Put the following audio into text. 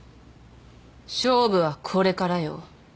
勝負はこれからよ。